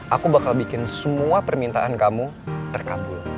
aku bakal bikin semua permintaan kamu terkabul